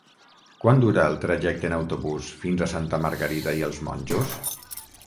Quant dura el trajecte en autobús fins a Santa Margarida i els Monjos?